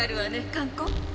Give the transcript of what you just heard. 観光？